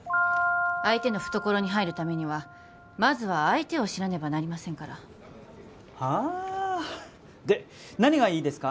相手の懐に入るためにはまずは相手を知らねばなりませんからああで何がいいですか？